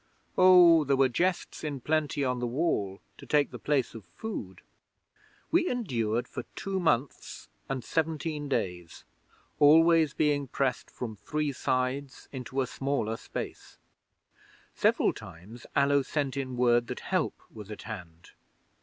Oh, there were jests in plenty on the Wall to take the place of food! 'We endured for two months and seventeen days always being pressed from three sides into a smaller space. Several times Allo sent in word that help was at hand.